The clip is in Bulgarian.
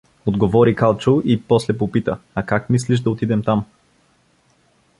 Отговори Калчо и после попита: — А как мислиш да отидем там?